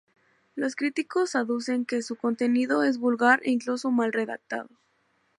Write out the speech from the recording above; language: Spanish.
Los críticos aducen que su contenido es vulgar e incluso mal redactado.